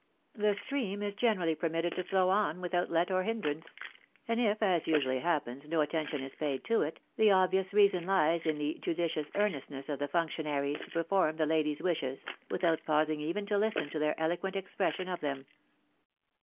The stream is generally permitted to flow on without let or hindrance ; and if, as usually happens, no attention is paid to it, the obvious reason lies in the judicious earnestness of the functionaries to perform the ladies' wishes, without pausing even to listen to their eloquent expression of them.